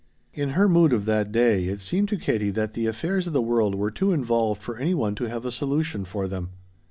In her mood of that day it seemed to Katie that the affairs of the world were too involved for any one to have a solution for them.